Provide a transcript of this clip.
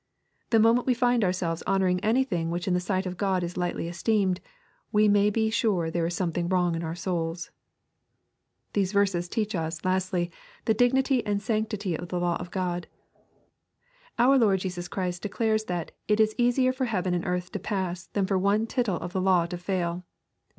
The moment we find ourselves honoring anything which in the sight of God is lightly esteemed, we may be sure there is something wrong in our souls. These verses teach us, lastly, the dignity and sanctity of the law of Ood, Our Lord Jesus Christ declares that " it is easier for heaven and earth to pass, than for one tittle of the law to fail."